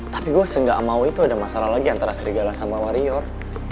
tapi gua senggak mau itu ada masalah lagi antara serigala sama warior